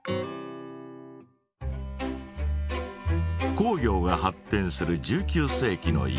工業が発展する１９世紀のイギリス。